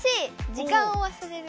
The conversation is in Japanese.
時間をわすれる。